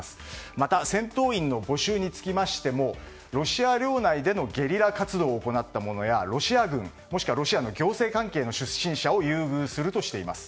また、戦闘員の募集につきましてもロシア領内でのゲリラ活動を行った者やロシア軍、もしくはロシアの行政関係の出身者を優遇するとしています。